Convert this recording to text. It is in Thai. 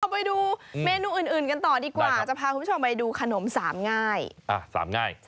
ไปดูเมนูอื่นกันต่อดีกว่าจะพาคุณผู้ชมไปดูขนมสามง่ายสามง่าย